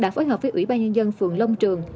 đã phối hợp với ủy ban nhân dân phường long trường